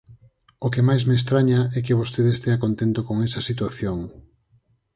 O que máis me estraña é que vostede estea contento con esa situación.